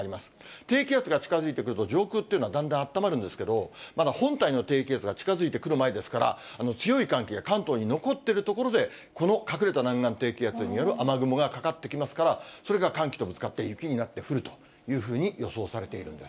低気圧が近づいてくると上空というのはだんだんあったまるんですけれども、まだ本体の低気圧が近づいてくる前ですから、強い寒気が関東に残っている所で、この隠れた南岸低気圧による雨雲がかかってきますから、それが寒気とぶつかって雪になって降るというふうに予想されているんです。